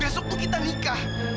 besok tidak nikah